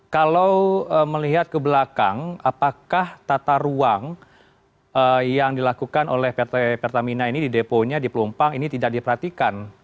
kalau melihat ke belakang apakah tata ruang yang dilakukan oleh pt pertamina ini di deponya di pelumpang ini tidak diperhatikan